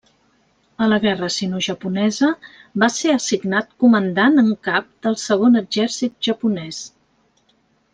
A la guerra sinojaponesa, va ser assignat Comandant en Cap del Segon Exèrcit Japonès.